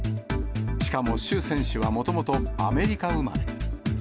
しかも朱選手はもともとアメリカ生まれ。